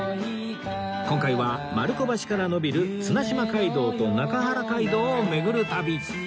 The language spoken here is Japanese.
今回は丸子橋から延びる綱島街道と中原街道を巡る旅